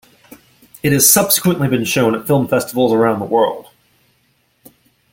It has subsequently been shown at film festivals around the world.